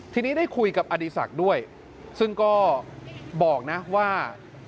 ทีนี้ได้คุยกับอดีศักดิ์ด้วยซึ่งก็บอกนะว่า